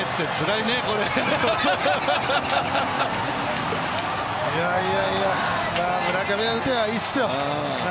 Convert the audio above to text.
いやいやいや、まあ村上が打てばいいっすよ。